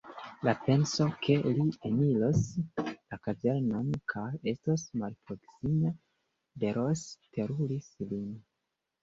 La penso, ke li eniros la kazernon kaj estos malproksime de Ros, teruris lin.